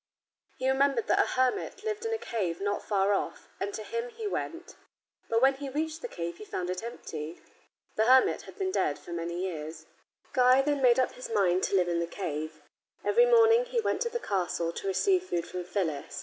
He remembered that a hermit lived in a cave not far off, and to him he went. But when he reached the cave he found it empty. The hermit had been dead many years. Guy then made up his mind to live in the cave. Every morning he went to the castle to receive food from Phyllis.